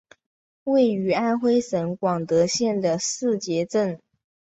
位于安徽省广德县的誓节镇。